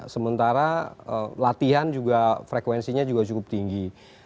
sementara latihan juga frekuensinya juga cukup tinggi